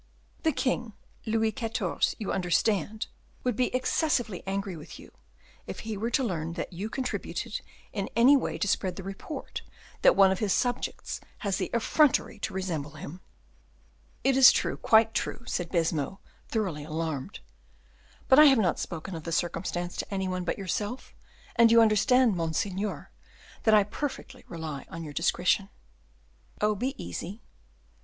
"The king, Louis XIV. you understand would be excessively angry with you, if he were to learn that you contributed in any way to spread the report that one of his subjects has the effrontery to resemble him." "It is true, quite true," said Baisemeaux, thoroughly alarmed; "but I have not spoken of the circumstance to any one but yourself, and you understand, monseigneur, that I perfectly rely on your discretion." "Oh, be easy."